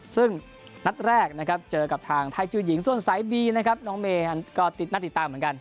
ซึ่งนัดแรกนะครับเจอกับทางไทยจูหญิงส่วนสายบีนะครับน้องเมย์ก็ติดหน้าติดตามเหมือนกัน